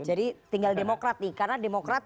tinggal demokrat nih karena demokrat